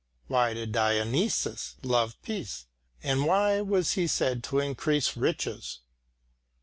Why did Dionysus love peace, and why was he said to increase riches?